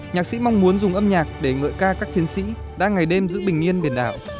nhạc sĩ mong muốn dùng âm nhạc để ngợi ca các chiến sĩ đang ngày đêm giữ bình yên biển đảo